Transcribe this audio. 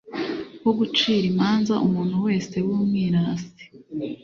wo gucira imanza umuntu wese w'umwiras